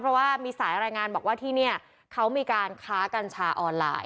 เพราะว่ามีสายรายงานบอกว่าที่นี่เขามีการค้ากัญชาออนไลน์